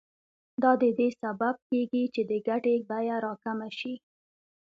دا د دې سبب کېږي چې د ګټې بیه راکمه شي